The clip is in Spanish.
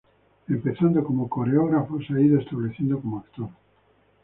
Empezando como coreógrafo se ha ido estableciendo como actor.